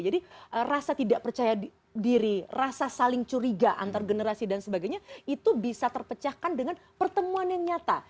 jadi rasa tidak percaya diri rasa saling curiga antar generasi dan sebagainya itu bisa terpecahkan dengan pertemuan yang nyata